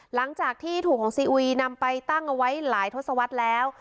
หลังจากที่ถูกของซีอุยนำไปตั้งเอาไว้หลายทศวรรษแล้ว